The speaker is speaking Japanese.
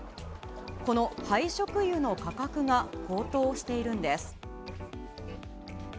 この廃食油の価格が高騰しているんです。